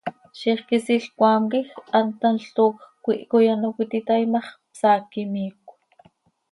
Zixquisiil cmaam quij hant thanl toocj cöquiih coi ano cöititaai ma x, psaac imiicö.